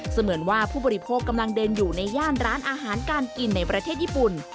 เหมือนว่าผู้บริโภคกำลังเดินอยู่ในย่านร้านอาหารการกินในประเทศญี่ปุ่น